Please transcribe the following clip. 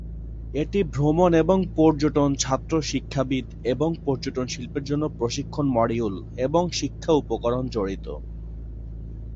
এটি ভ্রমণ এবং পর্যটন ছাত্র, শিক্ষাবিদ এবং পর্যটন শিল্পের জন্য প্রশিক্ষণ মডিউল এবং শিক্ষা উপকরণ জড়িত।